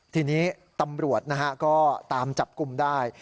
ทีนี้ตำรวจนะฮะก็ตามจับกลุ่มได้